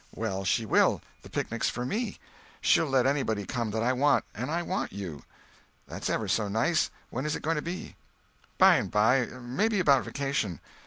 "Well, she will. The picnic's for me. She'll let anybody come that I want, and I want you." "That's ever so nice. When is it going to be?" "By and by. Maybe about vacation."